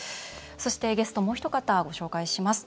そしてゲストもうひと方ご紹介します。